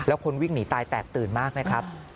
แล้วคนวิ่งหนีตายแตกตื่นมากนะครับ